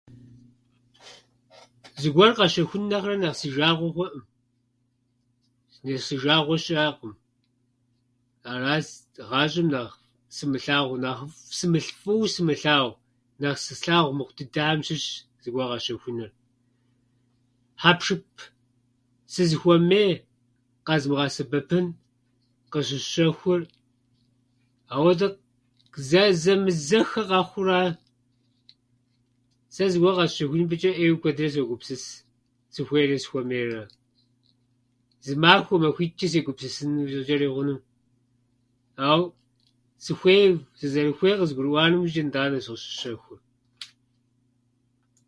Зыгуэр къэщэхун нэхърэ нэхъ си жагъуэ хъукъым, нэхъ си жагъуэ щыӏэкъым. Аращ гъащӏэм нэхъ сымылъагъуу нэхъыфӏ сымылъ- фӏыуэ сымылъагъу, нэхъ сы- слъагъу мыхъу дыдэхьэм щыщщ зыгуэр къэщэхуныр. Хьэпшып сызыхуэмей, къэзмыгъэсэбэпын къыщысщэхур, апхуэдэ зэзэмызэххэ къэхъуура. Сэ зыгуэр къэсщэхун и пэчӏэ куэдрӏейрэ согупсыс сыхуейрэ сыхуэмейрэ. Зы махуэ-махуитӏчӏэ сегупсысынчӏэрэ хъуну, ау сыхуейуэ, сызэрыхуейр къызгурыӏуа иужьчӏэ, итӏанэщ къыщысщэхур.